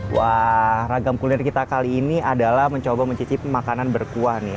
wah ragam kuliner kita kali ini adalah mencoba mencicipi makanan berkuah nih